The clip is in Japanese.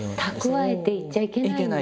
蓄えていちゃいけない。